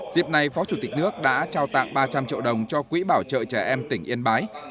dịp này phó chủ tịch nước đã trao tặng ba trăm linh triệu đồng cho quỹ bảo trợ trẻ em tỉnh yên bái